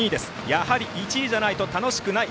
やはり１位じゃないと楽しくない。